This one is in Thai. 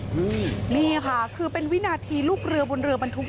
เห้อนี่ค่ะคือเป็นวินาธีรุกเรือบนเรือบันทุกข์